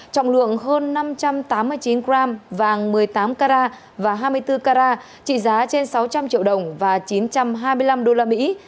trọng lượng hơn năm trăm tám mươi chín gram vàng một mươi tám carat và hai mươi bốn carat trị giá trên sáu trăm linh triệu đồng và chín trăm hai mươi năm đô la mỹ